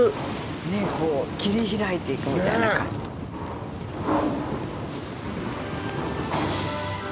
ねえこう切り開いていくみたいな感じねえ